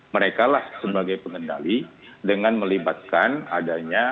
merekalah sebagai pengendali dengan melibatkan adanya